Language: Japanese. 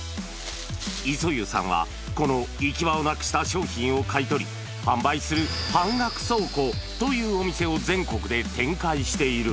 磯遊さんは、この行き場をなくした商品を買い取り、販売する半額倉庫というお店を全国で展開している。